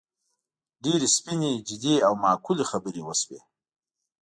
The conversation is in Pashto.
ډېرې سپینې، جدي او معقولې خبرې وشوې.